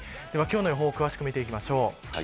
今日の予報詳しく見ていきましょう。